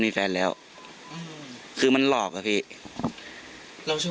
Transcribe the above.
มีแฟนแล้วอืมคือมันหลอกอ่ะพี่เราช่วย